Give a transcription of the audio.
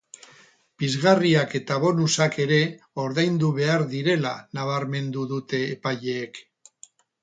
Pizgarriak eta bonusak ere ordaindu behar direla nabarmendu dute epaileek.